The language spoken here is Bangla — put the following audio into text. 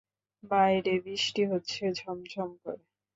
বাইরে বৃষ্টি হচ্ছে ঝমঝম করে।